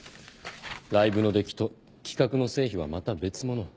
ライブの出来と企画の成否はまた別物。